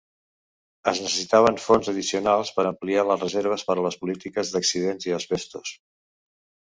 Es necessitaven fons addicionals per ampliar les reserves per les polítiques d'accidents i asbestos.